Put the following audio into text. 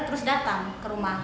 terus datang ke rumah